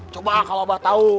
coba kalau abah tau